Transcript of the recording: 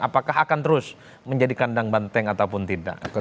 apakah akan terus menjadi kandang banteng ataupun tidak